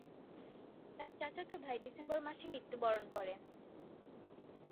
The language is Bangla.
তার চাচাতো ভাই ডিসেম্বর মাসে মৃত্যুবরণ করে।